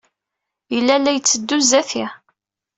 Yella la yetteddu sdat-i.